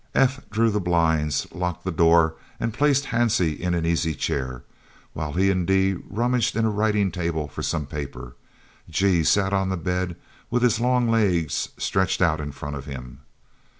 F. drew the blinds, locked the door, and placed Hansie in an easy chair, while he and D. rummaged in a writing table for some papers. G. sat on the bed with his long legs stretched out in front of him.